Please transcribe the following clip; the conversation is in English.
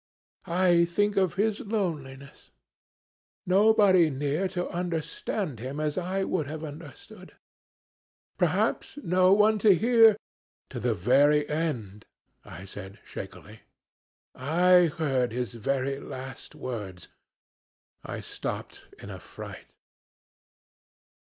I think of his loneliness. Nobody near to understand him as I would have understood. Perhaps no one to hear. ...' "'To the very end,' I said, shakily. 'I heard his very last words. ...' I stopped in a fright.